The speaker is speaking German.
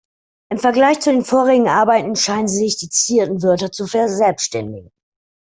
Im Vergleich zu den vorherigen Arbeiten scheinen sich die zitierten Wörter zu verselbstständigen.